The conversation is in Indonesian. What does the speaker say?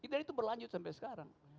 dan itu berlanjut sampai sekarang